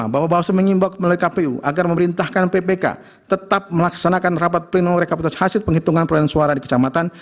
empat lima bahwa bawah sumber mengimbau melalui kpu agar memerintahkan ppk tetap melaksanakan rapat pleno rekapitulasi hasil penghitungan perolahan suara di kecamatan